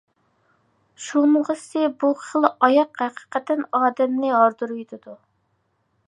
شۇغىنىسى، بۇ خىل ئاياغ ھەقىقەتەن ئادەمنى ھاردۇرۇۋېتىدۇ.